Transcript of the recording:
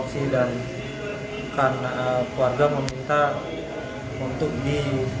selesai otopsi dan karena keluarga meminta untuk di